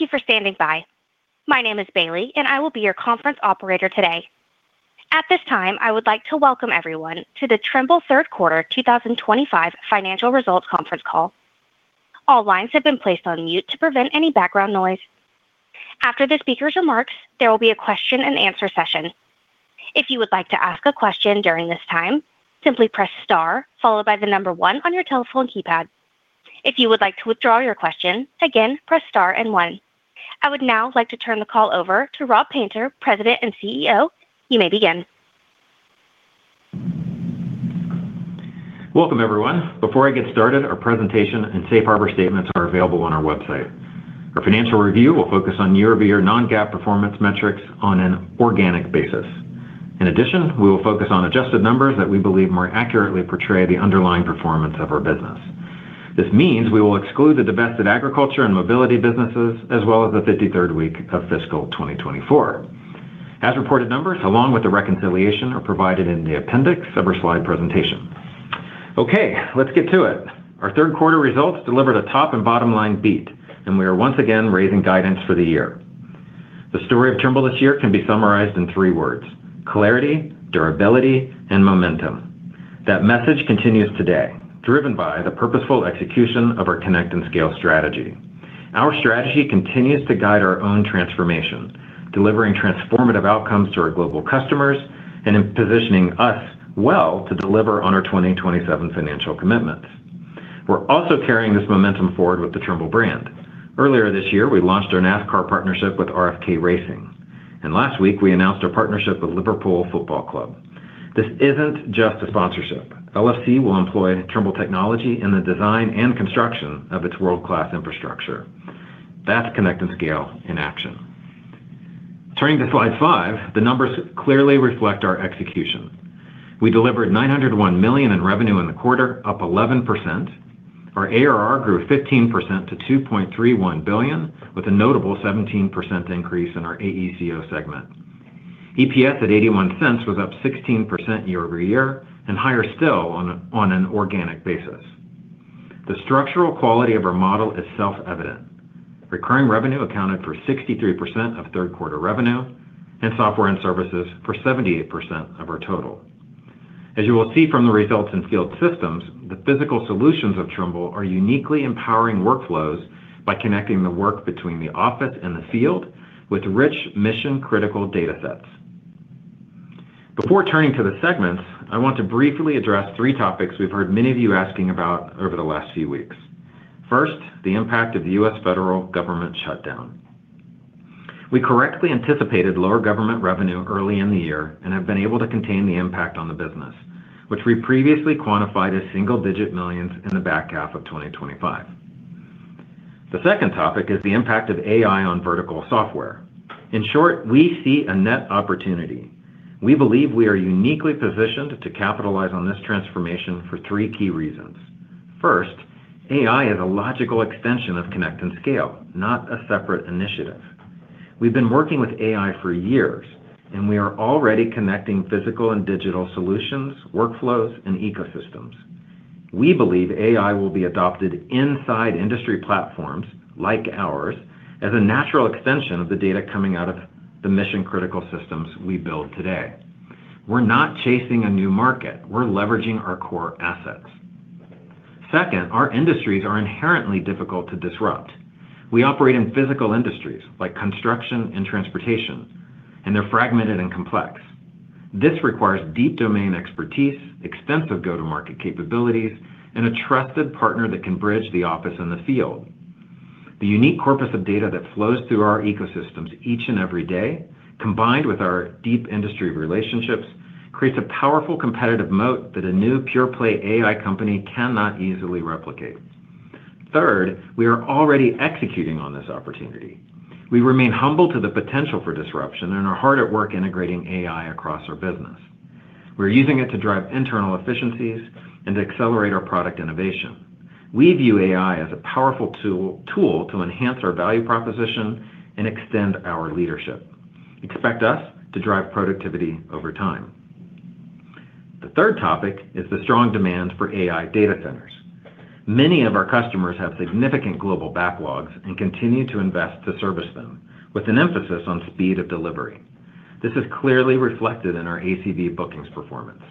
Thank you for standing by. My name is Bailey and I will be your conference operator today. At this time I would like to welcome everyone to the Trimble third quarter 2025 financial results conference call. All lines have been placed on mute to prevent any background noise. After the speaker's remarks, there will be a question and answer session. If you would like to ask a question during this time, simply press * followed by the number 1 on your telephone keypad. If you would like to withdraw your question again, press * and 1. I would now like to turn the call over to Rob Painter, President and CEO. You may begin. Welcome everyone. Before I get started, our presentation and Safe Harbor statements are available on our website. Our financial review will focus on year over year non-GAAP performance metrics on an organic basis. In addition, we will focus on adjusted numbers that we believe more accurately portray the underlying performance of our business. This means we will exclude the divested agriculture and mobility businesses as well as the 53rd week of fiscal 2024 as reported. Numbers along with the reconciliation are provided in the appendix of our slide presentation. Okay, let's get to it. Our third quarter results delivered a top and bottom line beat and we are once again raising guidance for the year. The story of Trimble this year can be summarized in three: clarity, durability, and momentum. That message continues today driven by the purposeful execution of our Connect and Scale strategy. Our strategy continues to guide our own transformation, delivering transformative outcomes to our global customers and in positioning us well to deliver on our 2027 financial commitments. We're also carrying this momentum forward with the Trimble brand. Earlier this year we launched our NASCAR partnership with RFK Racing and last week we announced our partnership with Liverpool FC. This isn't just a sponsorship. LFC will employ Trimble technology in the design and construction of its world class infrastructure. That's Connect and Scale in action. Turning to Slide 5, the numbers clearly reflect our execution. We delivered $901 million in revenue in the quarter, up 11%. Our ARR grew 15% to $2.31 billion with a notable 17% increase in our AECO segment. EPS at $0.81 was up 16% year over year and higher still on an organic basis. The structural quality of our model is self evident. Recurring revenue accounted for 63% of third quarter revenue and software and services for 78% of our total. As you will see from the results in field systems, the physical solutions of Trimble are uniquely empowering workflows by connecting the work between the office and the field with rich mission critical data sets. Before turning to the segments, I want to briefly address three topics we've heard many of you asking about over the last few weeks. First, the impact of the U.S. Federal government shutdown. We correctly anticipated lower government revenue early in the year and have been able to contain the impact on the business which we previously quantified as single digit millions in the back half of 2025. The second topic is the impact of AI on vertical software. In short, we see a net opportunity. We believe we are uniquely positioned to capitalize on this transformation for three key reasons. First, AI is a logical extension of connect and scale, not a separate initiative. We've been working with AI for years and we are already connecting physical and digital solutions, workflows and ecosystems. We believe AI will be adopted inside industry platforms like ours as a natural extension of the data coming out of the mission critical systems we build today. We're not chasing a new market, we're leveraging our core assets. Second, our industries are inherently difficult to disrupt. We operate in physical industries like construction and transportation and they're fragmented and complex. This requires deep domain expertise, extensive go to market capabilities and a trusted partner that can bridge the office in the field. The unique corpus of data that flows through our ecosystems each and every day, combined with our deep industry relationships, creates a powerful competitive moat that a new pure play AI company cannot easily replicate. Third, we are already executing on this opportunity. We remain humble to the potential for disruption and are hard at work integrating AI across our business. We're using it to drive internal efficiencies and to accelerate our product innovation. We view AI as a powerful tool to enhance our value proposition and extend our leadership. Expect us to drive productivity over time. The third topic is the strong demand for AI data centers. Many of our customers have significant global backlogs and continue to invest to service them with an emphasis on speed of delivery. This is clearly reflected in our ACV bookings performance.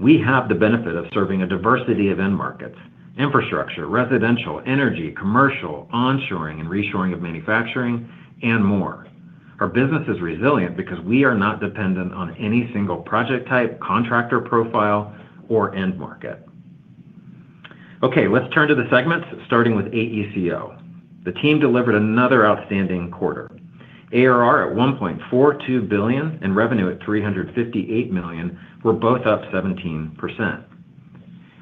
We have the benefit of serving a diversity of end markets, infrastructure, residential, energy, commercial, onshoring and reshoring of manufacturing and more. Our business is resilient because we are not dependent on any single project type, contractor profile or end market. Okay, let's turn to the segments starting with AECO. The team delivered another outstanding quarter. ARR at $1.42 billion and revenue at $358 million were both up 17%.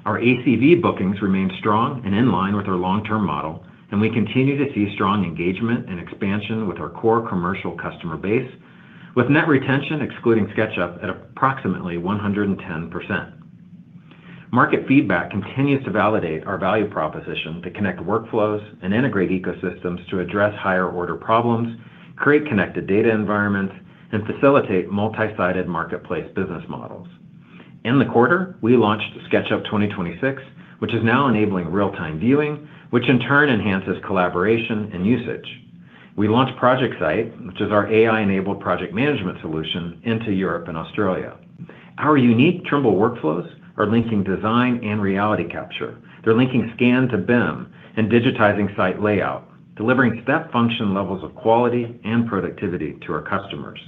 Our ACV bookings remained strong and in line with our long term model and we continue to see strong engagement and expansion with our core commercial customer base. With net retention excluding SketchUp at approximately 110%, market feedback continues to validate our value proposition to connect workflows and integrate ecosystems to address higher order problems, create connected data environments and facilitate multi sided marketplace business models. In the quarter, we launched SketchUp 2026 which is now enabling real time viewing which in turn enhances collaboration and usage. We launched ProjectSight which is our AI enabled project management solution into Europe and Australia. Our unique Trimble workflows are linking design and reality capture. They're linking Scan to BIM and digitizing site layout, delivering step function levels of quality and productivity to our customers.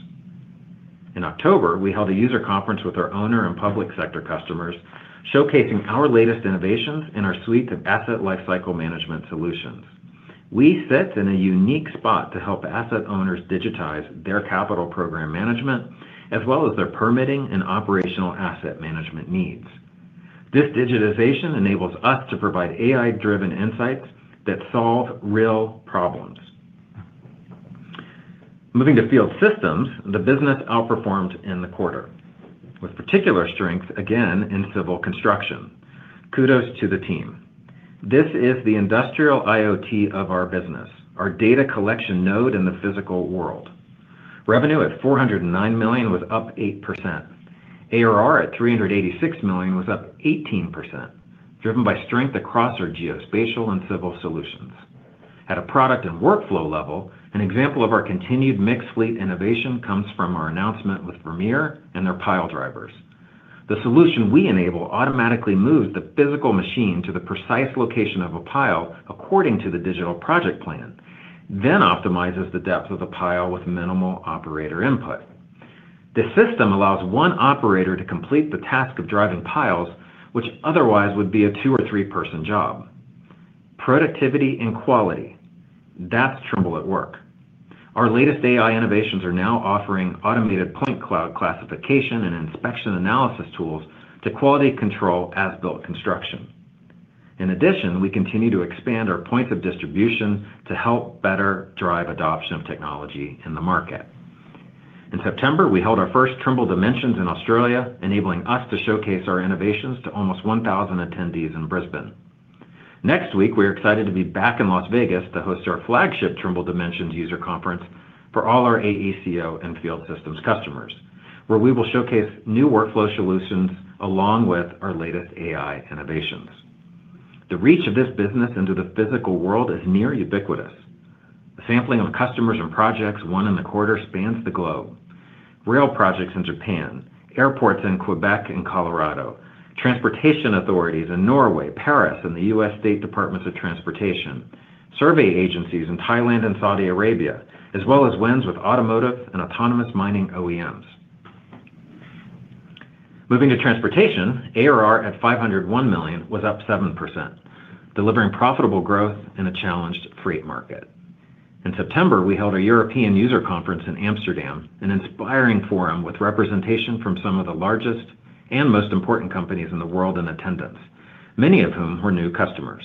In October we held a user conference with our owner and public sector customers showcasing our latest innovations in our suite of asset lifecycle management solutions. We sit in a unique spot to help asset owners digitize their capital program management as well as their permitting and operational asset management needs. This digitization enables us to provide AI driven insights that solve real problems. Moving to field systems the business outperformed in the quarter with particular strength again in civil construction. Kudos to the team. This is the industrial IoT of our business. Our data collection node in the physical world. Revenue at $409 million was up 8%. ARR at $386 million was up 18% driven by strength across our geospatial and civil solutions at a product and workflow level. An example of our continued mixed fleet innovation comes from our announcement with Vermeer and their pile drivers. The solution we enable automatically moves the physical machine to the precise location of a pile according to the digital project plan, then optimizes the depth of the pile with minimal operator input. The system allows one operator to complete the task of driving piles which otherwise would be a two or three person job. Productivity and quality, that's Trimble at work. Our latest AI innovations are now offering automated point cloud classification and inspection analysis tools to quality control as-built construction. In addition, we continue to expand our points of distribution to help better drive adoption of technology in the market. In September we held our first Trimble Dimensions in Australia, enabling us to showcase our innovations to almost 1,000 attendees in Brisbane. Next week we are excited to be back in Las Vegas to host our flagship Trimble Dimensions User Conference for all our AECO and Field systems customers where we will showcase new workflow solutions along with our latest AI innovations. The reach of this business into the physical world is near ubiquitous. The sampling of customers and projects won in the quarter spans the globe. Rail projects in Japan, airports in Quebec and Colorado, transportation authorities in Norway, Paris and the U.S. State departments of Transportation, survey agencies in Thailand and Saudi Arabia as well as wins with automotive and autonomous mining OEMs moving to transportation ARR at $501 million was up 7%, delivering profitable growth in a challenged freight market. In September we held a European User Conference in Amsterdam, an inspiring forum with representation from some of the largest and most important companies in the world in attendance, many of whom were new customers.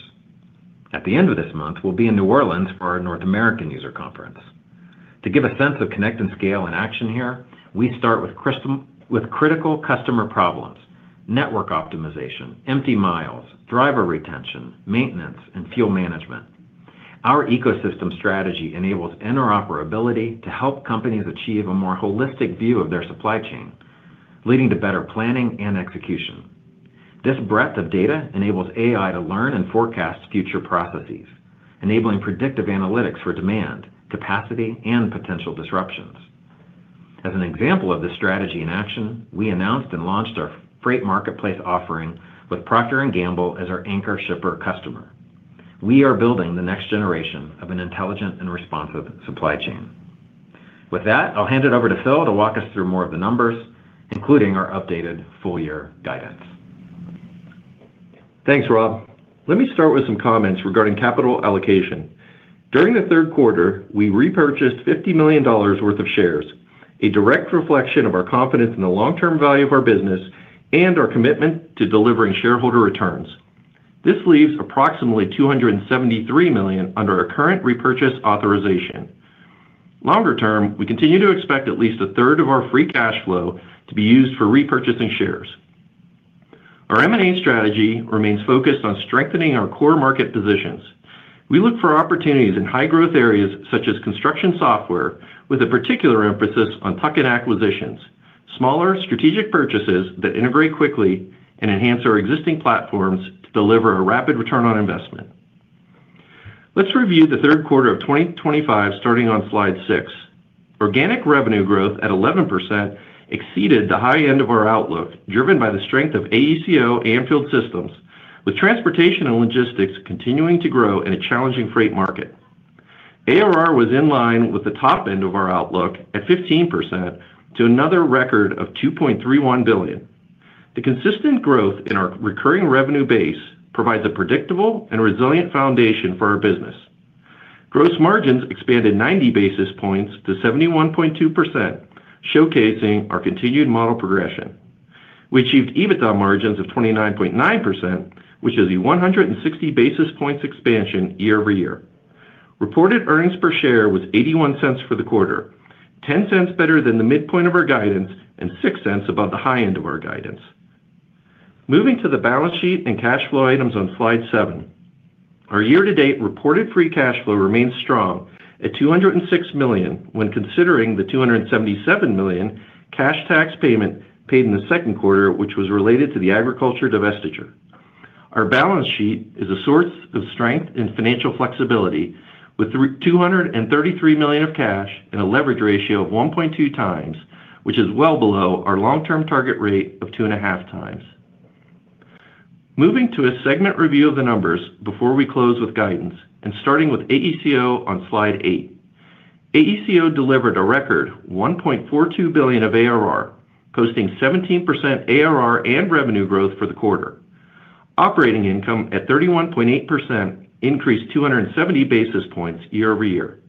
At the end of this month we'll be in New Orleans for our North American User Conference to give a sense of connect and scale in action. Here we start with critical customer problems, network optimization, empty miles, driver retention, maintenance and fuel management. Our ecosystem strategy enables interoperability to help companies achieve a more holistic view of their supply chain, leading to better planning and execution. This breadth of data enables AI to learn and forecast future processes, enabling predictive analytics for demand capacity and potential disruptions. As an example of this strategy in action, we announced and launched our Freight Marketplace offering. With Procter & Gamble as our anchor shipper customer, we are building the next generation of an intelligent and responsive supply chain. With that, I'll hand it over to Phil to walk us through more of the numbers, including our updated full year guidance. Thanks Rob. Let me start with some comments regarding capital allocation. During the third quarter we repurchased $50 million worth of shares, a direct reflection of our confidence in the long term value of our business and our commitment to delivering shareholder returns. This leaves approximately $273 million under our current repurchase authorization. Longer term, we continue to expect at least a third of our free cash flow to be used for repurchasing shares. Our M&A strategy remains focused on strengthening our core market positions. We look for opportunities in high growth areas such as construction software with a particular emphasis on tuck in acquisitions, smaller strategic purchases that integrate quickly and enhance our existing platforms to deliver a rapid return on investment. Let's review the third quarter of 2025 starting on slide 6. Organic revenue growth at 11% exceeded the high end of our outlook, driven by the strength of AECO Anfield Systems. With transportation and logistics continuing to grow in a challenging freight market, ARR was in line with the top end of our outlook at 15% to another record of $2.31 billion. The consistent growth in our recurring revenue base provides a predictable and resilient foundation for our business. Gross margins expanded 90 basis points to 71.2%, showcasing our continued model progression. We achieved EBITDA margins of 29.9% which is a 160 basis points expansion year over year. Reported earnings per share was $0.81 for the quarter, $0.10 better than the midpoint of our guidance and $0.06 above the high end of our guidance. Moving to the balance sheet and cash flow items on slide 7, our year to date reported free cash flow remains strong at $206 million when considering the $277 million cash tax payment paid in the second quarter which was related to the agriculture divestiture. Our balance sheet is a source of strength and financial flexibility with $233 million of cash and a leverage ratio of 1.2 times which is well below our long term target rate of 2.5 times. Moving to a segment review of the numbers before we close with guidance and starting with AECO on slide 8, AECO delivered a record $1.42 billion of ARR posting 17% ARR and revenue growth for the quarter. Operating income at 31.8% increased 270 basis points year over year.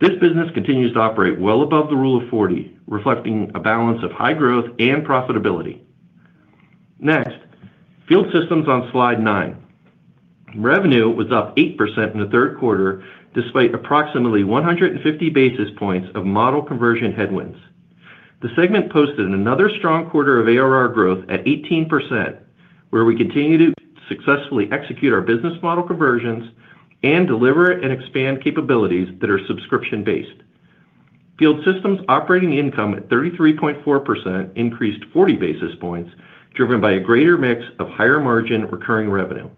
This business continues to operate well above the rule of 40 reflecting a balance of high growth and profitability. Next, Field Systems on Slide 9. Revenue was up 8% in the third quarter despite approximately 150 basis points of model conversion headwinds. The segment posted another strong quarter of ARR growth at 18% where we continue to successfully execute our business model conversions and deliver and expand capabilities that are subscription-based Field Systems. Operating income at 33.4% increased 40 basis points driven by a greater mix of higher margin recurring revenue.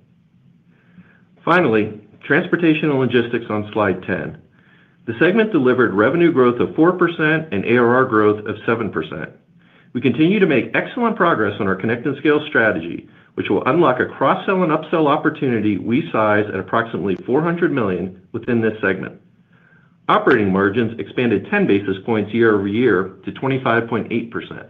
Finally, Transportation and Logistics on Slide 10, the segment delivered revenue growth of 4% and ARR growth of 7%. We continue to make excellent progress on our connect and scale strategy which will unlock a cross-sell and upsell opportunity. We size at approximately $400 million within this segment. Operating margins expanded 10 basis points year over year to 25.8%.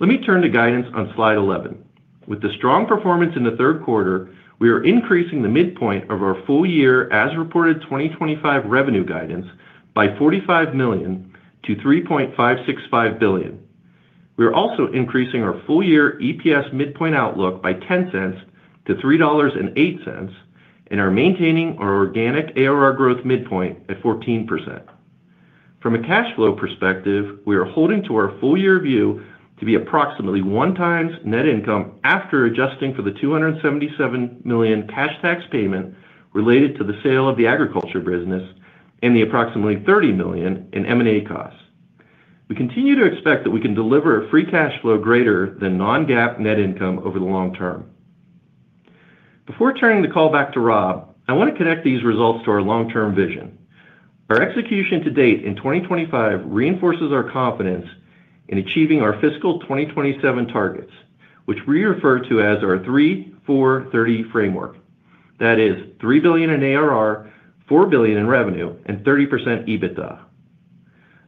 Let me turn to guidance on Slide 11. With the strong performance in the third quarter, we are increasing the midpoint of our full year as reported 2025 revenue guidance by $45 million-$3.565 billion. We are also increasing our full year EPS midpoint outlook by $0.10 to $3.08 and are maintaining our organic ARR growth midpoint at 14%. From a cash flow perspective, we are holding to our full year view to be approximately one times net income. After adjusting for the $277 million cash tax payment related to the sale of the agriculture business and the approximately $30 million in M&A costs, we continue to expect that we can deliver free cash flow greater than non-GAAP net income over the long term. Before turning the call back to Rob, I want to connect these results to our long term vision. Our execution to date in 2025 reinforces our confidence in achieving our fiscal 2027 targets, which we refer to as our 3, 4, 30 framework. That is $3 billion in ARR, $4 billion in revenue and 30% EBITDA.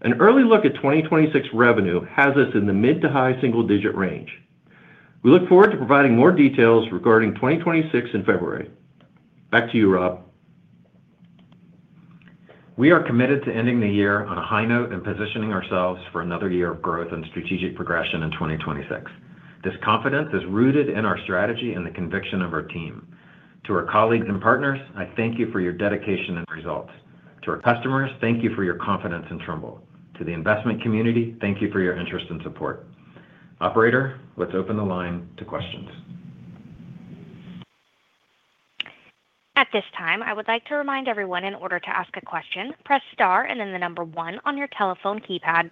An early look at 2026 revenue has us in the mid to high single digit range. We look forward to providing more details regarding 2026 in February. Back to you, Rob. We are committed to ending the year on a high note and positioning ourselves for another year of growth and strategic progression in 2026. This confidence is rooted in our strategy and the conviction of our team. To our colleagues and partners, I thank you for your dedication and results. To our customers, thank you for your confidence in Trimble. To the investment community, thank you for your interest and support. Operator. Let's open the line to questions. At this time I would like to remind everyone, in order to ask a question, press * and then the number 1 on your telephone keypad.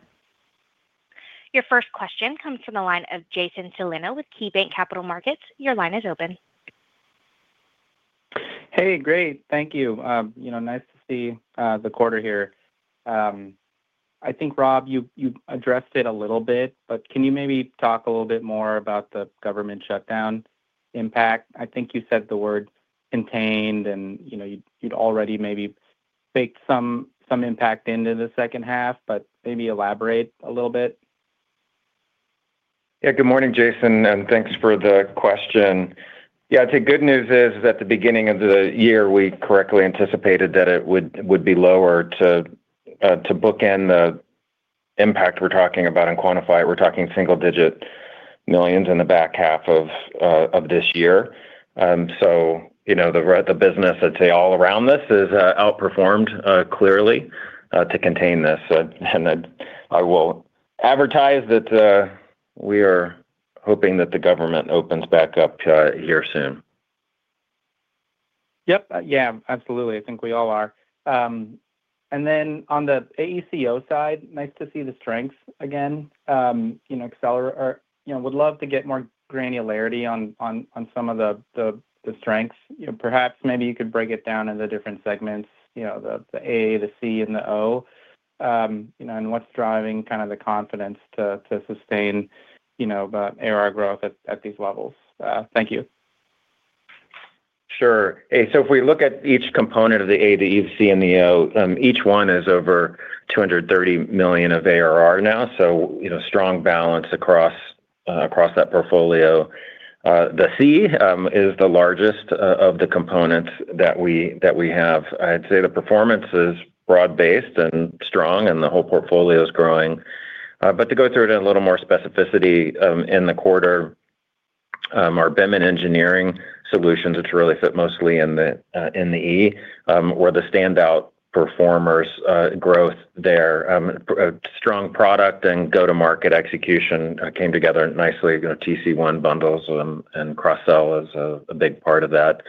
Your first question comes from the line of Jason Celino with KeyBanc Capital Markets. Your line is open. Hey, great, thank you. Nice to see the quarter here. I think, Rob, you addressed it a little bit, but can you maybe talk a little bit more about the government shutdown impact? I think you said the word contained and, you know, you'd already maybe baked some impact into the second half, but maybe elaborate a little bit. Yeah. Good morning, Jason, and thanks for the question. Yeah, the good news is at the beginning of the year we correctly anticipated that it would be lower to book in the impact we're talking about and quantify it. We're talking single digit millions in the back half of this year. You know, the business, I'd say all around this has outperformed clearly to contain this. I will advertise that we are hoping that the government opens back up here soon. Yep, yeah, absolutely. I think we all are. On the AECO side, nice to see the strength again, you know, accelerate or, you know, would love to get more granularity on some of the strengths, you know, perhaps maybe you could break it down in the different segments, you know, the A, the C, and the O, you know, and what's driving kind of the confidence to sustain, you know, ARR growth at these levels. Thank you. Sure. If we look at each component of the A that you see in the O, each one is over $230 million of ARR now. You know, strong balance across that portfolio. The C is the largest of the components that we have. I'd say the performance is broad based and strong and the whole portfolio is growing but to go through it in a little more specificity in the quarter, our BIM and engineering solutions, which really fit mostly in the E, were the standout performers. Growth there, strong product and go to market execution came together nicely. TC1, bundles and cross sell is a big part of that.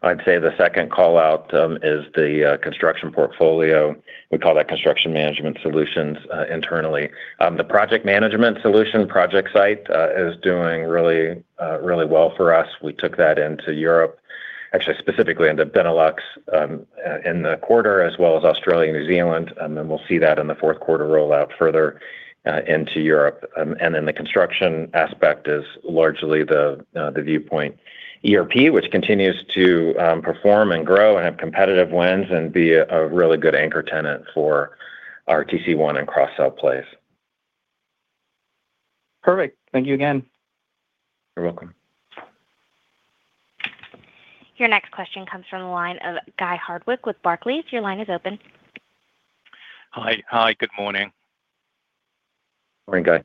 I'd say. The second call out is the construction portfolio. We call that Construction Management Solutions internally. The project management solution ProjectSight is doing really well for us. Took that into Europe, actually specifically into Benelux in the quarter as well as Australia, New Zealand, and we'll see that in the fourth quarter. Rollout further into Europe and then the construction aspect is largely the Viewpoint ERP, which continues to perform and grow and have competitive wins and be a really good anchor tenant for our TC1 and cross sell plays. Perfect. Thank you again. You're welcome. Your next question comes from the line of Guy Hardwick with Barclays. Your line is open. Hi. Good morning. Morning Guy.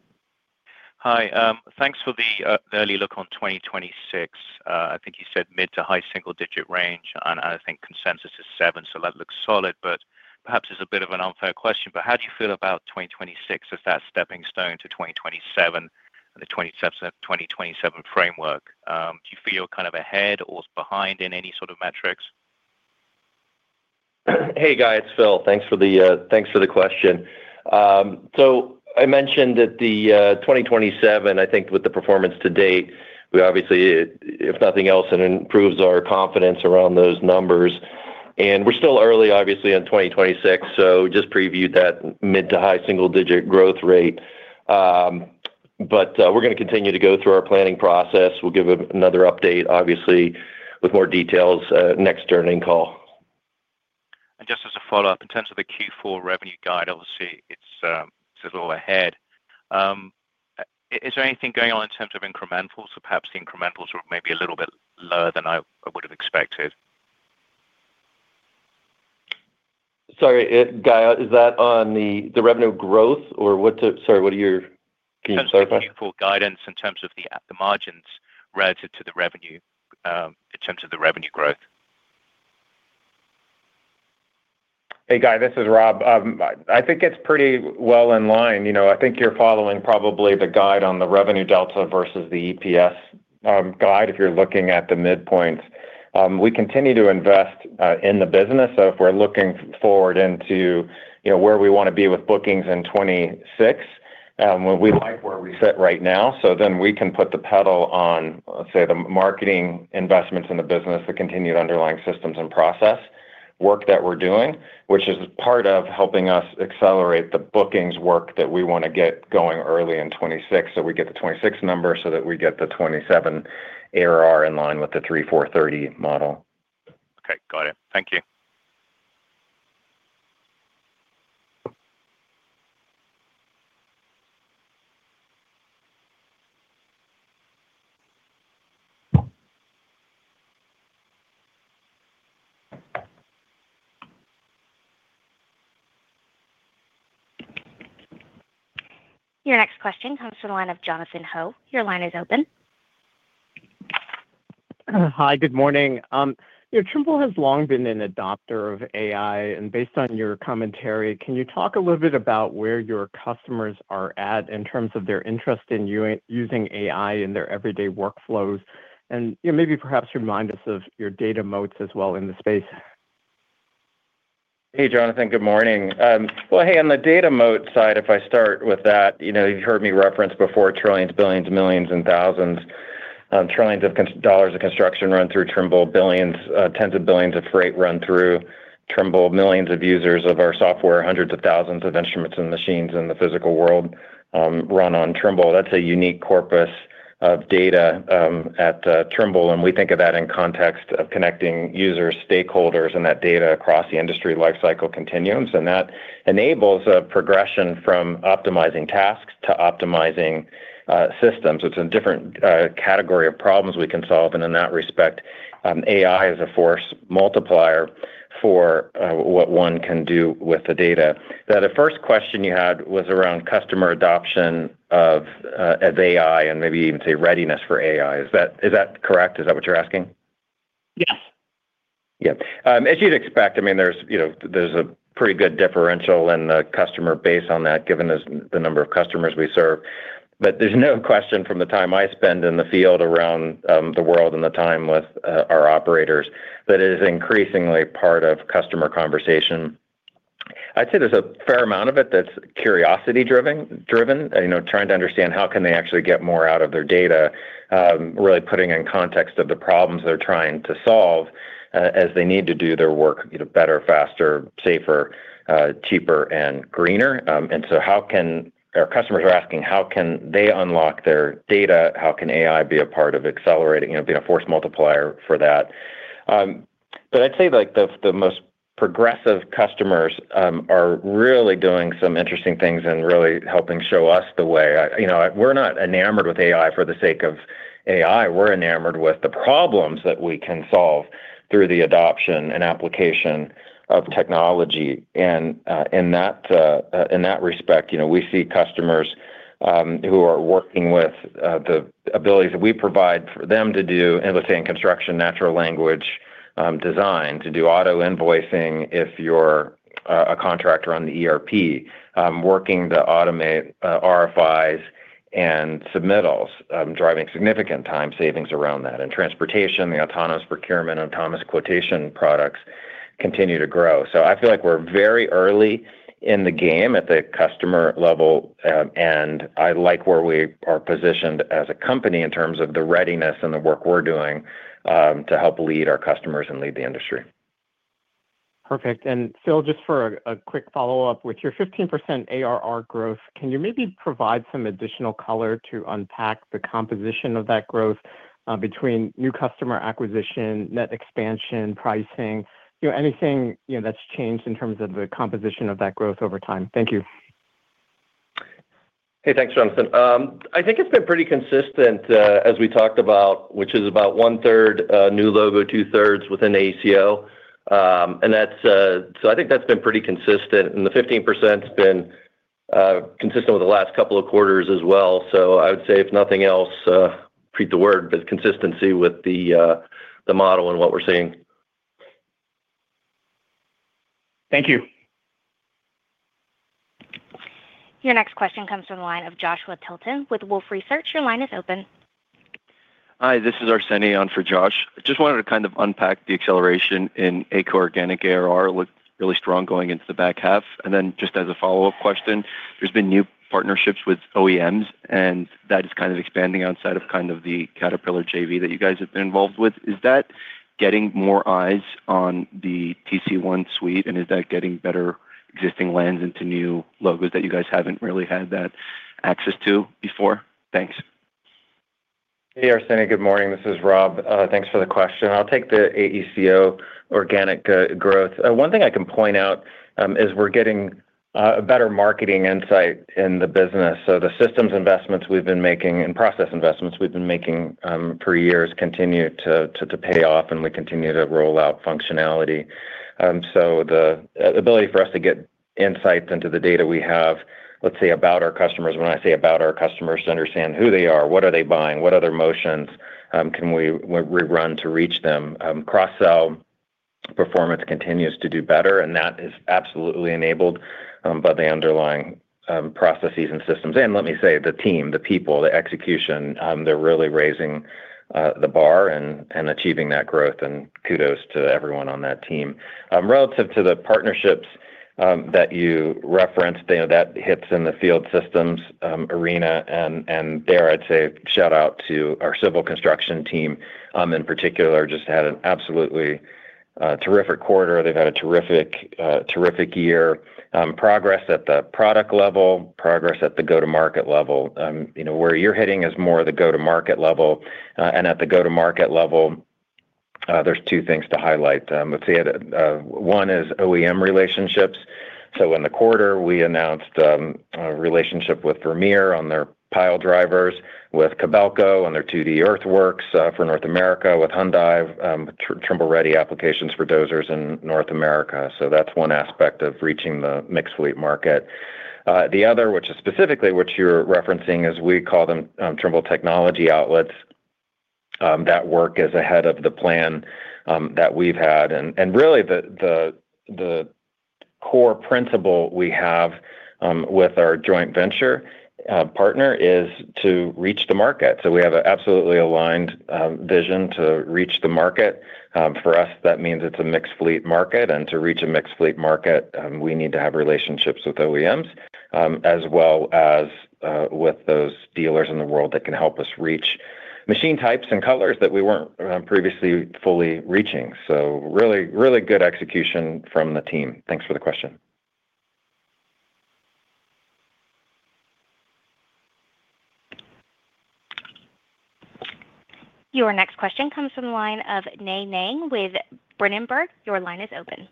Thanks for the early look on 2026. I think you said mid to high single digit range and I think consensus is seven. That looks solid. Perhaps it's a bit of an unfair question, but how do you feel about 2026 as that stepping stone to 2027, the 2027 framework? Do you feel kind of ahead or behind in any sort of metrics? Hey Guy, it's Phil. Thanks for the question. I mentioned the 2027, I think with the performance to date, we obviously, if nothing else, it improves our confidence around those numbers and we're still early obviously in 2026. I just previewed that mid to high single digit growth rate. We're going to continue to go through our planning process. We'll give another update obviously with more details next earning call. Just as a follow up, in terms of the Q4 revenue guide, obviously it's a little ahead. Is there anything going on in terms of incrementals or perhaps the incrementals are maybe a little bit lower than I would have expected? Sorry, Guy, is that on the revenue growth or what are your? Guidance in terms of the margins relative to the revenue, in terms of the revenue growth? Hey Guy, this is Rob. I think it's pretty well in line. You know, I think you're following probably the guide on the revenue delta versus the EPS guide. If you're looking at the midpoints, we continue to invest in the business. If we're looking forward into, you know, where we want to be with bookings in 2026. We like where we sit right now. We can put the pedal on, say, the marketing investments in the business, the continued underlying systems and process work that we're doing, which is part of helping us accelerate the bookings work that we want to get going early in 2026. We get the 2026 number so that we get the 2027 ARR in line with the 3430 model. Okay, got it. Thank you. Your next question comes from the line of Jonathan Ho. Your line is open. Hi, good morning. You know, Trimble has long been an adopter of AI, and based on your commentary, can you talk a little bit about where your customers are at in terms of their interest in using AI in their everyday workflows and maybe perhaps remind us of your data moats as in the space. Hey, Jonathan, good morning. Hey, on the data moat side, if I start with that, you know, you've heard me reference before. Trillions, billions, millions and thousands of trillions of dollars of construction run through Trimble. Billions, tens of billions of freight run through Trimble. Millions of users of our software, hundreds of thousands of instruments and machines in the physical world run on Trimble. That's a unique corpus of data at Trimble. We think of that in context of connecting users, stakeholders and that data across the industry life cycle continuums. That enables a progression from optimizing tasks to optimizing system. It's a different category of problems we can solve. In that respect, AI is a force multiplier for what one can do with the data. The first question you had was around customer adoption of AI and maybe even say, readiness for AI. Is that correct? Is that what you're asking? Yes. Yeah. As you'd expect, I mean, there's, you know, there's a pretty good differential in the customer base on that, given the number of customers we serve. There's no question from the time I spend in the field around the world and the time with our operators that it is increasingly part of customer conversation. I'd say there's a fair amount of it that's curiosity driven, trying to understand how can they actually get more out of their data, really putting in context of the problems they're trying to solve as they need to do their work better, faster, safer, cheaper and greener. How can our customers are asking, how can they unlock their data? How can AI be a part of accelerating being a force multiplier for that? I'd say the most progressive customers are really doing some interesting things and really helping show us the way. We're not enamored with AI for the sake of AI. We're enamored with the problems that we can solve through the adoption and application of technology. In that respect, we see customers who are working with the abilities that we provide for them to do, let's say in construction, natural language design to do auto invoicing. If you're a contractor on the ERP working to automate RFIs and submittals, driving significant time savings around that, and in transportation, the autonomous procurement, autonomous quotation products continue to grow. I feel like we're very early in the game at the customer level and I like where we are positioned as a company in terms of the readiness and the work we're doing to help lead our customers and lead the industry. Perfect. Phil, just for a quick follow up with your 15% ARR growth, can you maybe provide some additional color to unpack the composition of that growth between new customer acquisition, net expansion, pricing, anything that's changed in terms of the composition of that growth over time? Thank you. Hey, thanks, Jonathan. I think it's been pretty consistent as we talked about, which is about one-third new logo, two-thirds within AECO and that's so I think that's been pretty consistent and the 15% has been consistent with the last couple of quarters as well. I would say if nothing else, keep the word but consistency with the model and what we're seeing. Thank you. Your next question comes from the line of Joshua Tilton with Wolfe Research. Your line is open. Hi, this is Arseni on for Josh. Just wanted to kind of unpack the acceleration in AECO organic ARR look really strong going into the back half. And then just as a follow up question, there's been new partnerships with OEMs and that is kind of expanding outside of kind of the Caterpillar JV that you guys have been involved with. Is that getting more eyes on the TC1 suite and is that getting better existing lands into new logos that you guys haven't really had that access to before? Thanks. Hey Arseni, good morning. This is Rob. Thanks for the question. I'll take the AECO organic growth. One thing I can point out is we're getting better marketing insight in the business. The systems investments we've been making and process investments we've been making for years continue to pay off and we continue to roll out functional. The ability for us to get insights into the data we have, let's say about our customers, when I say about our customers, to understand who they are, what are they buying, what other motions can we rerun to reach them? Cross sell performance continues to do better. That is absolutely enabled by the underlying processes and systems. Let me say the team, the people, the execution, they're really raising the bar and achieving that growth. Kudos to everyone on that team relative to the partnerships that you referenced that hits in the field systems arena. There I'd say shout out to our civil construction team in particular, just had an absolutely terrific quarter. They've had a terrific, terrific year. Progress at the product level, progress at the go to market level, where you're hitting is more the go to market level. At the go to market level, there are two things to highlight. One is OEM relationships. In the quarter we announced a relationship with Vermeer on their pile drivers, with Kobelco on their 2D earthworks for North America, with Hyundai Trimble ready applications for dozers in North America. That's one aspect of reaching the mixed fleet market. The other, which is specifically what you're referencing, is we call them Trimble technology outlets. That work is ahead of the plan that we've had. Really the core principle we have with our joint venture partner is to reach the market. We have an absolutely aligned vision to reach the market. For us, that means it's a mixed fleet market. To reach a mixed fleet market, we need to have relationships with OEMs as well as with those dealers in the world that can help us reach machine types and colors that we were not previously fully reaching. Really good execution from the team. Thanks for the question. Your next question comes from the line of Nae Nang with Berenberg. Your line is open.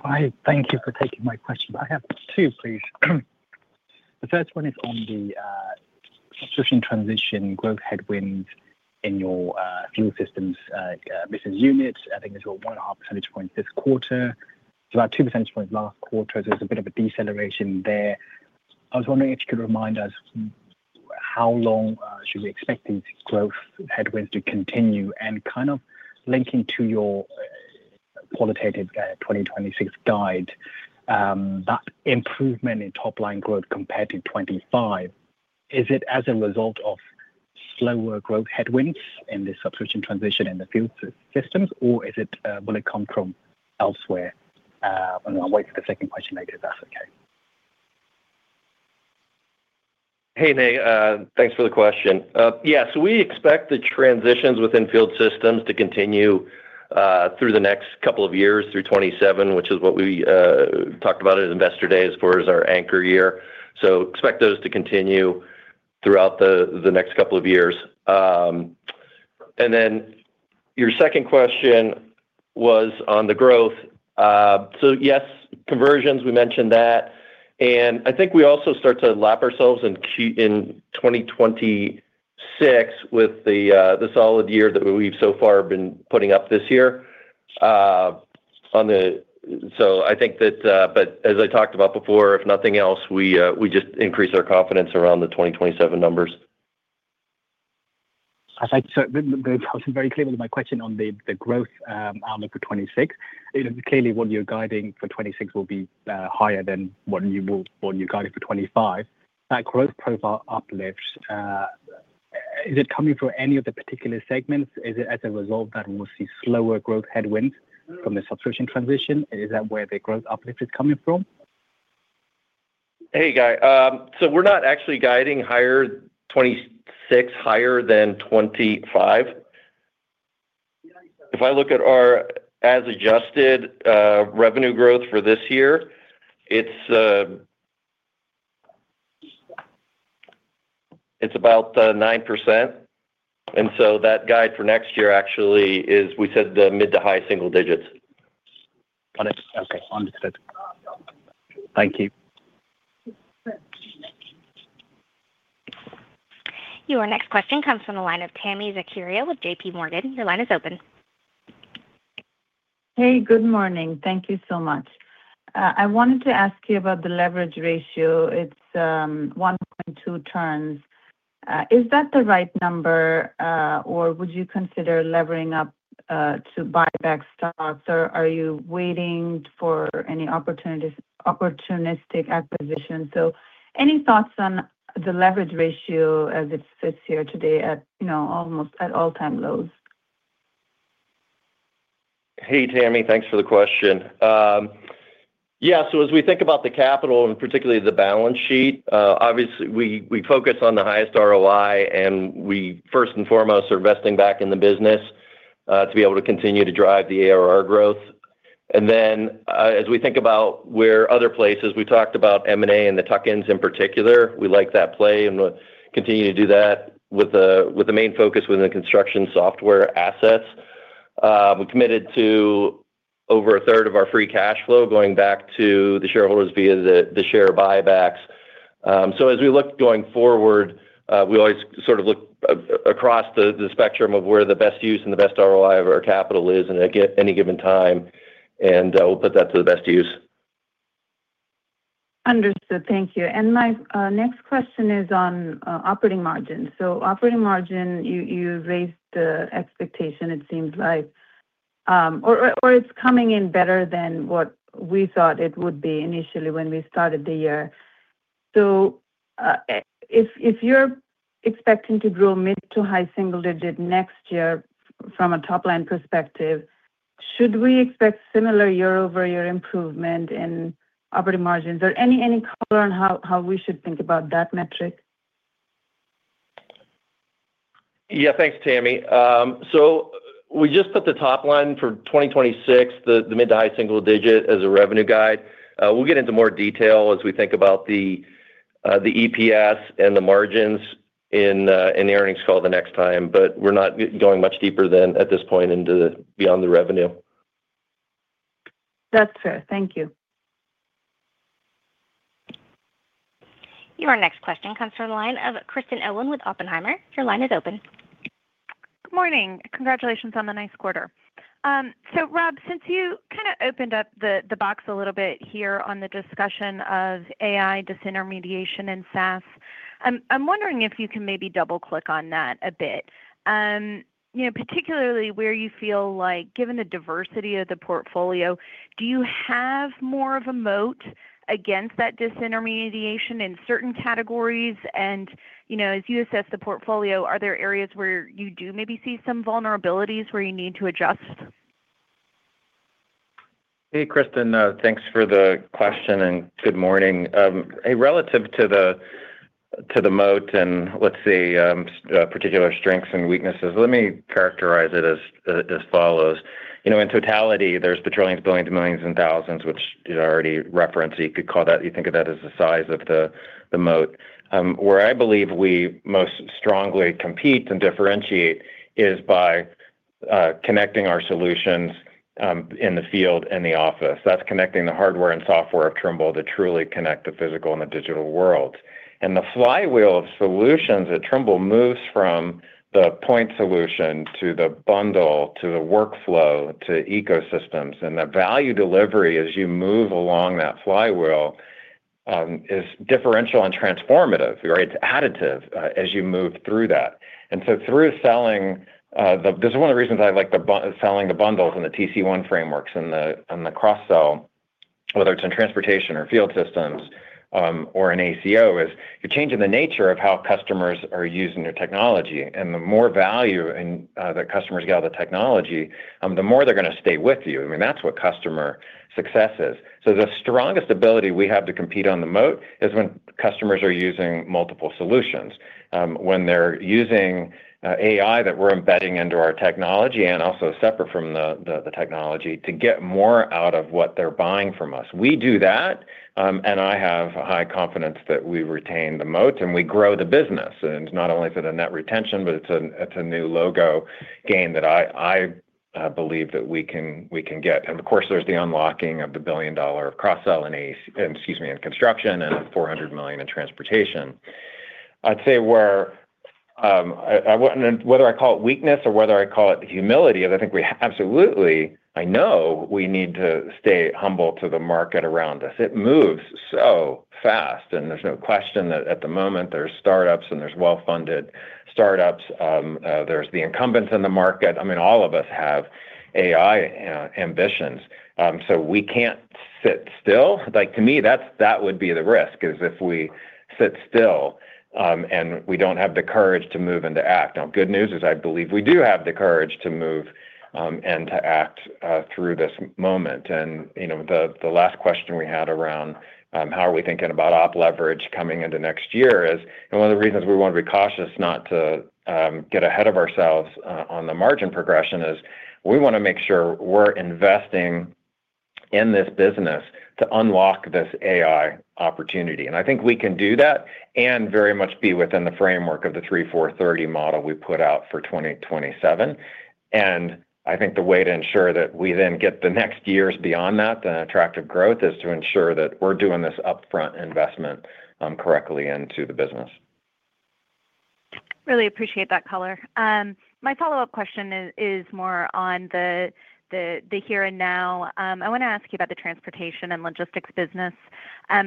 Hi. Thank you for taking my question. I have two, please. The first one is on the transition growth headwinds in your fuel systems business units. I think there's a 1.5 percentage points this quarter, about 2 percentage points last quarter. There's a bit of a deceleration there. I was wondering if you could remind us how long should we expect these growth headwinds to continue? And kind of linking to your qualitative 2026 guide, that improvement in top line growth compared to 2025, is it as a result of slower growth headwinds in this subscription transition in the fuel systems or will it come from elsewhere? I'll wait for the second question later if that's okay. Hey, Nae. Thanks for the question. Yeah, we expect the transitions within field systems to continue through the next couple of years through 2027, which is what we talked about at investor day as far as our anchor year. Expect those to continue throughout the next couple of years. Your second question was on the growth. Yes, conversions, we mentioned that. I think we also start to lap ourselves in 2026 with the solid year that we've so far been putting up this year. I think that, but as I talked about before, if nothing else, we just increase our confidence around the 2027 numbers. I was very clear with my question on the growth outlook for 2026. Clearly what you're guiding for 2026 will be higher than what you guided for 2025. That growth profile uplift, is it coming for any of the particular segments? Is it as a result that we'll see slower growth headwinds from the subscription transition? Is that where the growth uplift is coming from? Hey Guy. So we're not actually guiding higher 2026, higher than 2025. If I look at our as adjusted revenue growth for this year, it's about 9%. And so that guide for next year actually is. We said the mid to high single digits. Okay, understood. Thank you. Your next question comes from the line of Tami Zakaria with JPMorgan. Your line is open. Hey, good morning. Thank you so much. I wanted to ask you about the leverage ratio. It's 1.2 turns. Is that the right number or would you consider levering up to buy back stocks or are you waiting for any opportunistic acquisition? Any thoughts on the leverage ratio as it sits here today at almost at all time lows? Hey Tami, thanks for the question. Yeah, as we think about the capital and particularly the balance sheet, obviously we focus on the highest ROI and we first and foremost are investing back in the business to be able to continue to drive the ARR growth. As we think about where other places, we talked about M and A and the tuck-ins in particular, we like that play and continue to do that with the main focus within the construction software assets. We committed to over a third of our free cash flow going back to the shareholders via the share buybacks. As we look going forward, we always sort of look across the spectrum of where the best use and the best ROI of our capital is at any given time and we'll put that to the best use. Understood, thank you. My next question is on operating margin. Operating margin, you raised the expectation, it seems like, or it is coming in better than what we thought it would be initially when we started the year. If you are expecting to grow mid to high single digit next year from a top line perspective, should we expect similar year over year improvement in operating margins or any color on how we should think about that metric? Yeah, thanks, Tami. We just put the top line for 2026, the mid to high single digit, as a revenue guide. We'll get into more detail as we think about the EPS and the margins in the earnings call the next time, but we're not going much deeper than at this point into beyond the revenue. That's fair. Thank you. Your next question comes from the line of Kristen Owen with Oppenheimer. Your line is open. Good morning. Congratulations on the nice quarter. Rob, since you kind of opened up the box a little bit here on the discussion of AI disintermediation and SaaS, I'm wondering if you can maybe double click on that a bit, particularly where you feel like given the diversity of the portfolio, do you have more of a moat against that disintermediation in certain categories? As you assess the portfolio, are there areas where you do maybe see some vulnerability where you need to adjust? Hey Kristen, thanks for the question and good morning. Relative to the moat and let's see particular strengths and weaknesses, let me characterize it as follows. You know, in totality there's billions, millions and thousands which I already referenced, you could call that, you think of that as the size of the moat. Where I believe we most strongly compete and differentiate is by connecting our solutions in the field, in the office, that's connecting the hardware and software of Trimble to truly connect the physical and the digital world. The flywheel of solutions at Trimble moves from the point solution to the bundle to the workflow, to ecosystems and the value delivery as you move along that flywheel is differential and transformative. It's additive as you move through that. Through selling, this is one of the reasons I like selling the bundles and the TC1 frameworks and the cross sell, whether it's in transportation or field systems or in AECO, is you're changing the nature of how customers are using their technology. The more value that customers gather from technology, the more they're going to stay with you. I mean that's what customer success is. The strongest ability we have to compete on the moat is when customers are using multiple solutions, when they're using AI that we're embedding into our technology and also separate from the technology to get more out of what they're buying from us. We do that and I have high confidence that we retain the moat and we grow the business and not only for the net retention but it's a new logo gain that I believe that we can get. Of course there's the unlocking of the $1 billion cross sell construction and $400 million in transportation. I'd say whether I call it weakness or whether I call it humility, I think we absolutely, I know we need to stay humble to the market around us. It moves so fast and there's no question that at the moment there's startups and there's well funded startups, there's the incumbents in the market. I mean all of us have AI ambitions so we can't sit still. Like to me that would be the risk is if we sit still and we don't have the courage to move into act now. Good news is I believe we do have the courage to move and to act through this moment. You know the last question we had around how are we thinking about OP leverage coming into next year is one of the reasons we want to be cautious not to get ahead of ourselves on the margin progression. We want to make sure we're investing in this business to unlock this AI opportunity. I think we can do that and very much be within the framework of the 3430 model we put out for 2027. I think the way to ensure that we then get the next years beyond that, the attractive growth, is to ensure that we're doing this upfront investment correctly into the business. Really appreciate that color. My follow up question is more on the here and now. I want to ask you about the transportation and logistics business.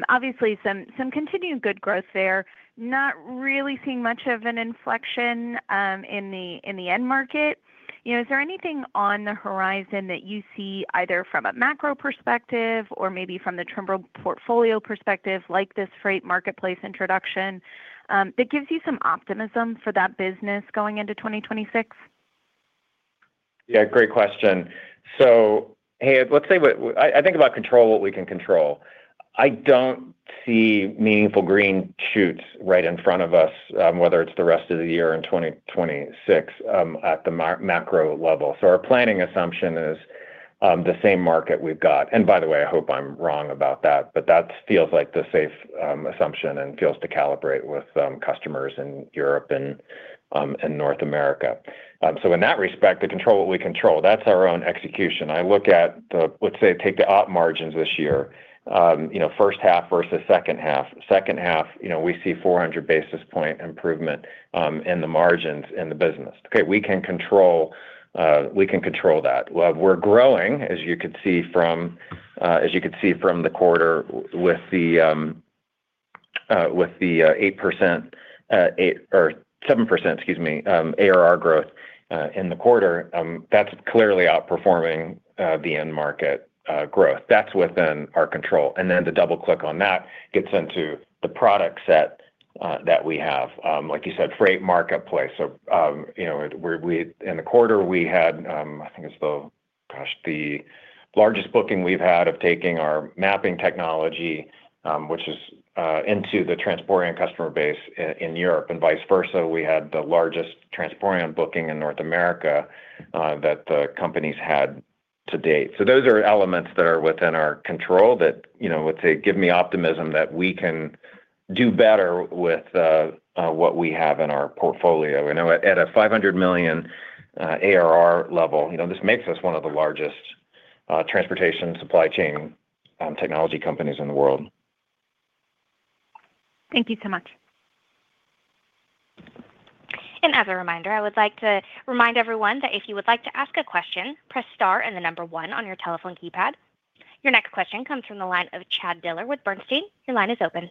Obviously some continued good growth there. Not really seeing much of an inflection in the end market. Is there anything on the horizon that you see either from a macro perspective or maybe from the Trimble portfolio perspective like this Freight Marketplace introduction that gives you some optimism for that business going into 2026. Yeah, great question. Hey, let's say I think about control, what we can control. I don't see meaningful green shoots right in front of us whether it's the rest of the year or 2026 at the macro level. Our planning assumption is the same market we've got. By the way, I hope I'm wrong about that, but that feels like the safe assumption and feels to calibrate with customers in Europe and North America. In that respect, to control what we control, that's our own execution. I look at the, let's say, take the op margins this year, first half versus second half, second half, we see 400 basis point improvement in the margins in the business. We can control, we can control that. We're growing. As you could see from the quarter with the 8%, 8 or 7%, excuse me, ARR. Growth in the quarter, that's clearly outperforming the end market growth that's within our control. The double click on that gets into the product set that we have. Like you said, Freight Marketplace. In the quarter we had, I think it's the, gosh, the largest booking we've had of taking our mapping technology, which is into the Transporean customer base in Europe and vice versa. We had the largest Transporean booking in North America that the company's had to date. Those are elements that are within our control that, you know, would say give me optimism that we can do better with what we have in our portfolio and at a $500 million ARR level, you know, this makes us one of the largest transportation supply chain technology companies in the world. Thank you so much. As a reminder, I would like to remind everyone that if you would like to ask a question, press star and the number one on your telephone keypad. Your next question comes from the line of Chad Dillard with Bernstein. Your line is open.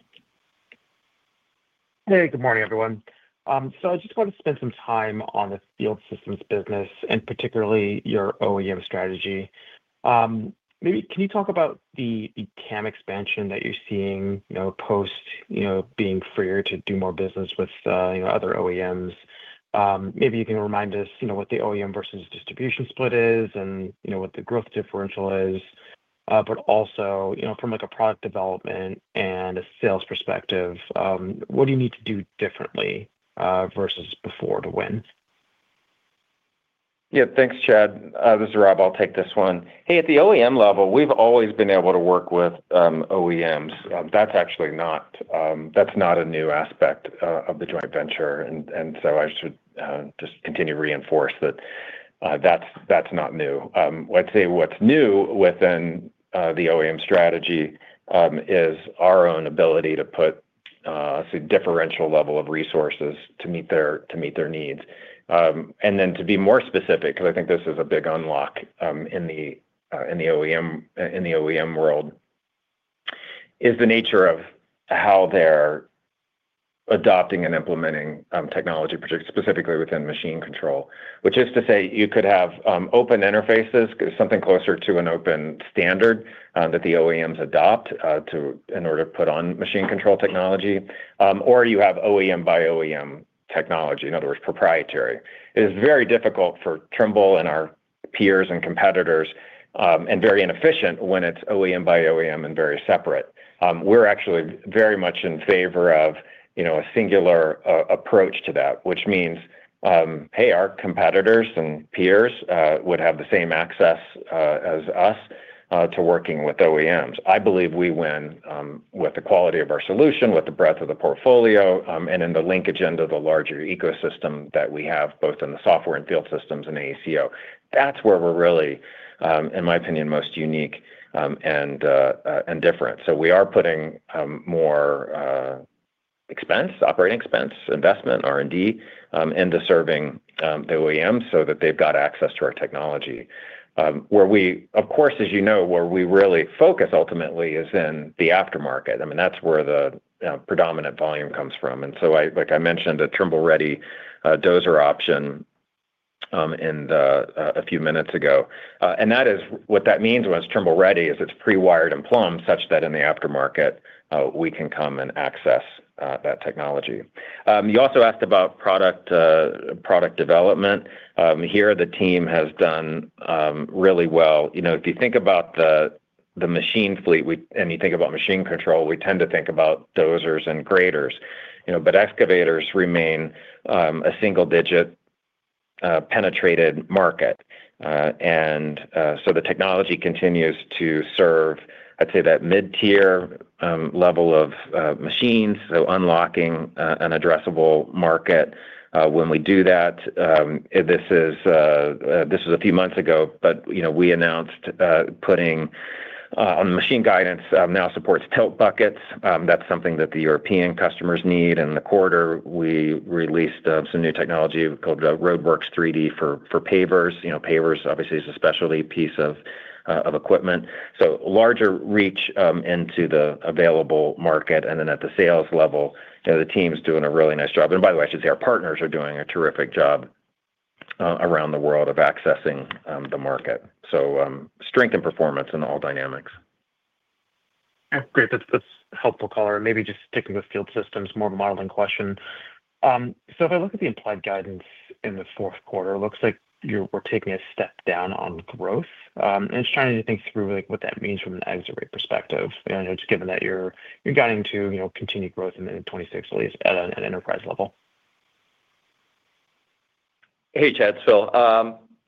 Hey, good morning everyone. I just want to spend some time on the field systems business and particularly your OEM strategy. Maybe can you talk about the CAM expansion that you're seeing post being freer to do more business with other OEMs? Maybe you can remind us what the OEM versus distribution split is and what the growth differential is, but also from a product development and a sales perspective. What do you need to do differently versus before to win. Yeah, thanks Chad. This is Rob. I'll take this one. Hey. At the OEM level, we've always been able to work with OEMs. That's actually not, that's not a new aspect of the joint venture. I should just continue to reinforce that that's not new. I'd say what's new within the OEM strategy is our own ability to put differential level of resources to meet their needs. To be more specific, because I think this is a big unlock in the OEM world, is the nature of how they're adopting and implementing technology specifically within machine control. Which is to say you could have open interfaces, something closer to an open standard that the OEMs adopt in order to put on machine control technology. Or you have OEM by OEM technology. In other words, proprietary. It is very difficult for Trimble and our peers and competitors and very inefficient when it's OEM by OEM and very separate. We are actually very much in favor of a singular approach to that. Which means, hey, our competitors and peers would have the same access as us to working with OEMs. I believe we win with the quality of our solution, with the breadth of the portfolio and in the linkage end of the larger ecosystem that we have both in the software and field systems and AECO. That is where we are really in my opinion most unique and different. We are putting more expense, operating expense, investment, R&D into serving the OEM so that they have got access to our technology. Where we of course, as you know, where we really focus ultimately is in the aftermarket. I mean that is where the predominant volume comes from. Like I mentioned a Trimble Ready Dozer option a few minutes ago. That is what that means when it's Trimble Ready: it's pre-wired and plumbed such that in the aftermarket we can come and access that technology. You also asked about product development here. The team has done really well. If you think about the machine fleet and you think about machine control, we tend to think about dozers and graders. Excavators remain a single-digit penetrated market, and the technology continues to serve, I'd say, that mid-tier level of machines. Unlocking an addressable market when we do that. This was a few months ago, but we announced putting on the machine guidance now supports tilt buckets. That's something that the European customers need. In the quarter we released some new technology called Roadworks 3D for pavers. Pavers obviously is a specialty piece of equipment. Larger reach into the available market. At the sales level, the team's doing a really nice job. By the way, I should say our partners are doing a terrific job around the world of accessing the market. Strength and performance in all dynamics. Great, that's helpful color, maybe just sticking with field systems. More of a modeling question. If I look at the implied guidance in the fourth quarter, looks like you were taking a step down on growth and trying to think through what that means from an exit rate perspective. Just given that you're guiding to continue growth in 2026, at least at an enterprise level. Hey, Chad. Phil.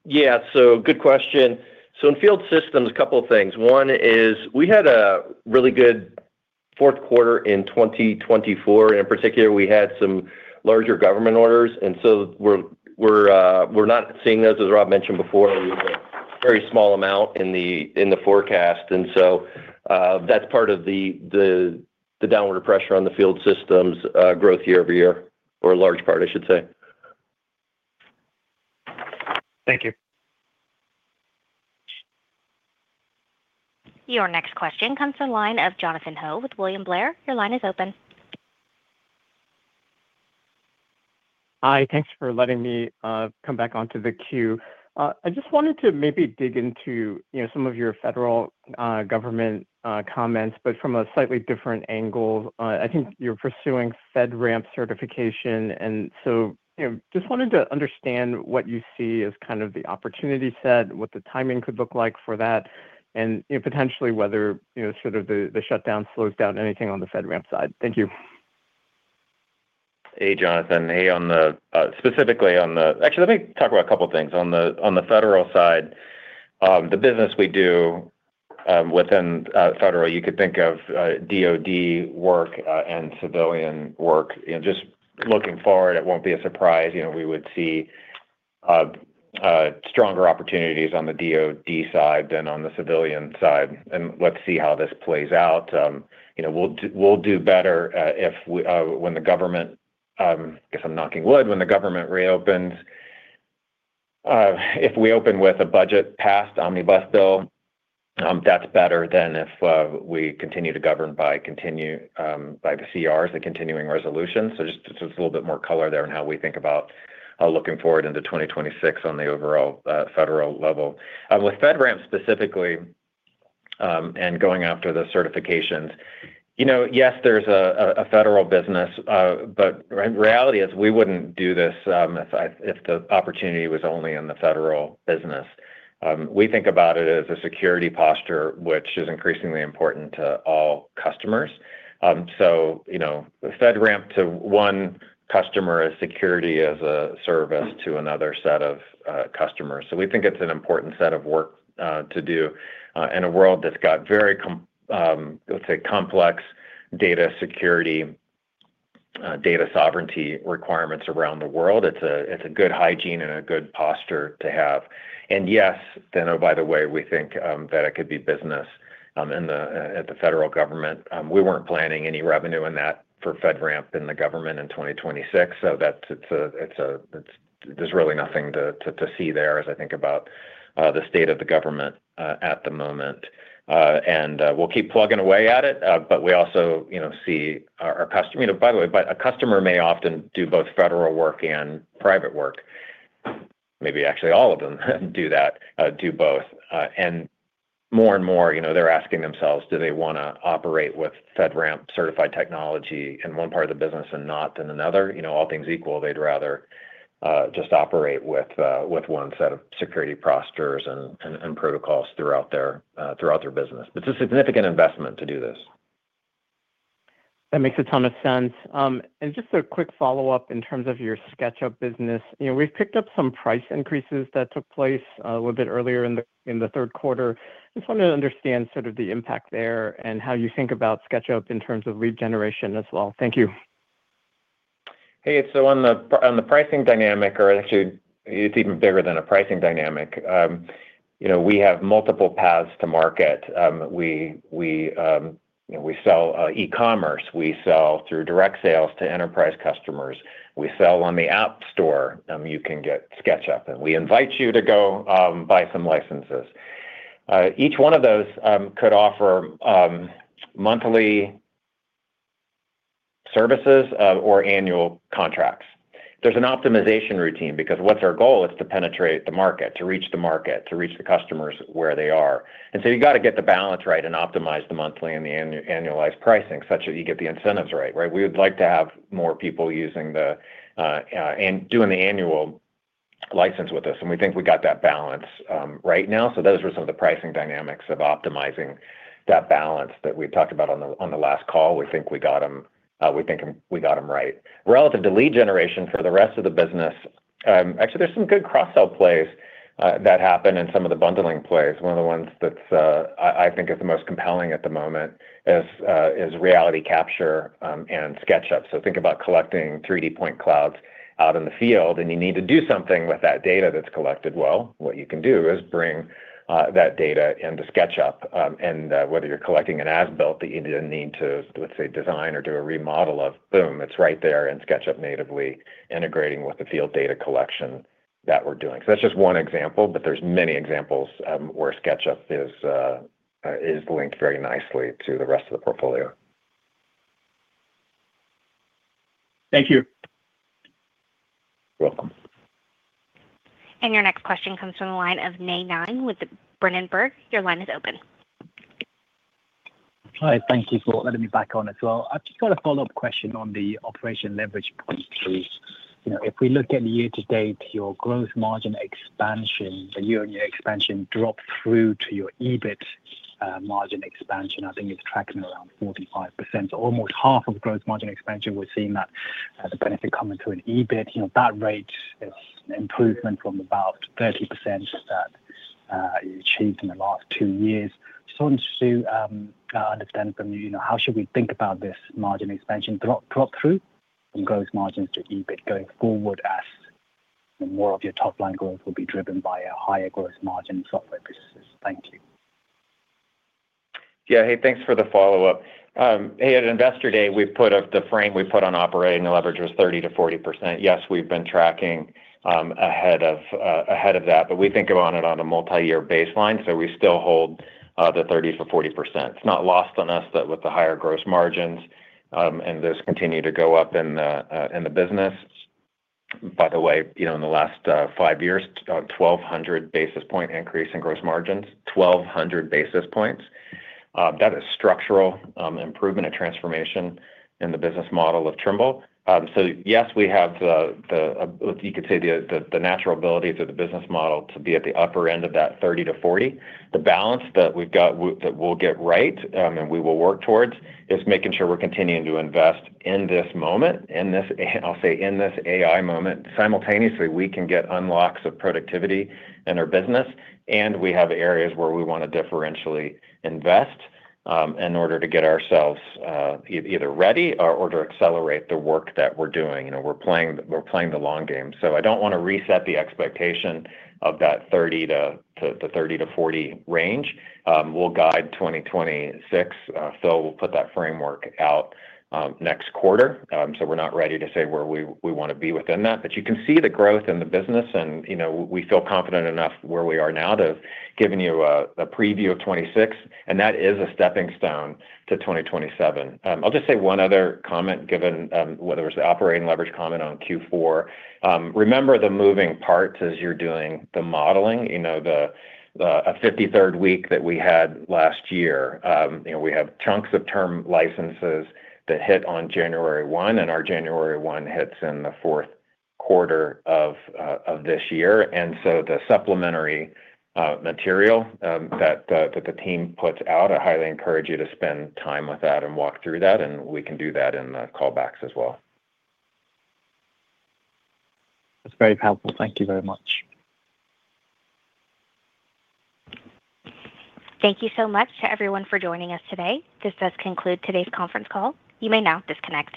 Yeah, so good question. In field systems, a couple of things. One is we had a really good fourth quarter in 2024. In particular, we had some larger government orders. We are not seeing those, as Rob mentioned before, very small amount in the forecast. That is part of the downward pressure on the field systems growth year over year or a large part, I should say. Thank you. Your next question comes in line of Jonathan Ho with William Blair. Your line is open. Hi. Thanks for letting me come back onto the queue. I just wanted to maybe dig into some of your federal government comments, but from a slightly different angle. I think you're pursuing FedRAMP certification and so just wanted to understand what you see as kind of the opportunity set, what the timing could look like for that and potentially whether the shutdown slows down anything on the FedRAMP side. Thank you. Hey, Jonathan. Hey. On the specifically on the actually let me talk about a couple things. On the federal side, the business we do within federal, you could think of DoD work and civilian work. Just looking forward, it won't be a surprise. We would see stronger opportunities on the DoD side than on the civilian side. Let's see how this plays out. You know, we'll do better if when the government. Guess I'm knocking wood when the government reopens. If we open with a budget past omnibus bill, that's better than if we continue to govern by continue by the CR, the continuing resolution. Just a little bit more color there and how we think about looking forward into 2026 on the overall federal level with FedRAMP specifically and going after the certifications. You know, yes, there's a federal business, but reality is we wouldn't do this if the opportunity was only in the federal business. We think about it as a security posture which is increasingly important to all customers. So, you know, FedRAMP to one customer as security as a service to another set of. We think it's an important set of work to do in a world that's got very complex data security, data sovereignty requirements around the world. It's a good hygiene and a good posture to have. Yes, then oh, by the way, we think that it could be business at the federal government. We weren't planning any revenue in that for FedRAMP in the government in 2026. It's, there's really nothing to see there as I think about the state of the government at the moment. We'll keep plugging away at it. We also see our customer. By the way, a customer may often do both federal work and private work. Maybe actually all of them do that, do both. More and more they're asking themselves, do they want to operate with FedRAMP certified technology in one part of the business and not in another? All things equal, they'd rather just operate with one set of security postures and protocols throughout their business. It's a significant investment to do this. That makes a ton of sense. Just a quick follow up in terms of your SketchUp business. We've picked up some price increases that took place a little bit earlier in the third quarter. Just wanted to understand sort of the impact there and how you think about SketchUp in terms of lead generation as well. Thank you. Hey. On the pricing dynamic, or actually it's even bigger than a pricing dynamic, we have multiple paths to market. We sell e-commerce, we sell through direct sales to enterprise customers. We sell on the App Store. You can get SketchUp and we invite you to go buy some licenses. Each one of those could offer monthly services or annual contracts. There's an optimization routine because our goal is to penetrate the market, to reach the market, to reach the customers where they are. You have to get the balance right and optimize the monthly and the annualized pricing such that you get the incentives right. We would like to have more people using and doing the annual license with us. We think we got that balance right now. Those were some of the pricing dynamics of optimizing that balance that we talked about on the last call. We think we got them. We think we got them right relative to lead generation for the rest of the business. Actually, there are some good cross sell plays that happen in some of the bundling plays. One of the ones that I think is the most compelling at the moment is reality capture and SketchUp. Think about collecting 3D point clouds out in the field and you need to do something with that data that's collected. What you can do is bring that data into SketchUp, and whether you're collecting an as built that you, let's say, design or do a remodel of, boom, it's right there in SketchUp, natively integrating with the field data collection that we're doing. That's just one example. There are many examples where SketchUp is linked very nicely to the rest of the portfolio. Thank you. You're welcome. Your next question comes from the line of Nae Nang with Berenberg, your line is open. Hi, thank you for letting me back on as well. I've just got a follow-up question on the operation leverage point. If we look at year to date your gross margin expansion, the year on year expansion dropped through to your EBIT margin expansion, I think it's tracking around 45% almost half of gross margin expansion. We're seeing that the benefit come into an EBIT that rate is improvement from about 30% that you achieved in the last two years. So understand from you how should we think about this margin expansion drop through from gross margins to EBIT going forward as more of your top line growth will be driven by a higher gross margin. Software businesses. Thank you. Yeah. Hey, thanks for the follow up. Hey. At Investor Day we put up the frame we put on operating leverage was 30-40%. Yes, we've been tracking ahead of that but we think about it on a multi-year baseline. We still hold the 30-40%. It's not lost on us that with the higher gross margins and those continue to go up in the business. By the way, you know, in the last five years, 1,200 basis point increase in gross margins. 1,200 basis points, that is structural improvement and transformation in the business model of Trimble. Yes, we have, you could say, the natural abilities of the business model to be at the upper end of that 30-40. The balance that we've got that we'll get right and we will work towards is making sure we're continuing to invest in this moment. I'll say in this AI moment simultaneously we can get unlocks of productivity in our business and we have areas where we want to differentially invest in order to get ourselves either ready or to accelerate the work that we're doing. You know, we're playing the long game. I don't want to reset the expectation of that 30-40 range. We'll guide 2026. Phil will put that framework out next quarter. We're not ready to say where we want to be within that. You can see the growth in the business and you know we feel confident enough where we are now to giving you a preview of 2026 and that is a stepping stone to 2027. I'll just say one other comment given whether it was the operating leverage comment on Q4. Remember the moving parts as you're doing the modeling, a 53rd week that we had last year. We have chunks of term licenses that hit on January 1 and our January 1 hits in the fourth quarter of this year. The supplementary material that the team puts out, I highly encourage you to spend time with that and walk through that. We can do that in the callbacks as well. That's very helpful. Thank you very much. Thank you so much to everyone for joining us today. This does conclude today's conference call. You may now disconnect.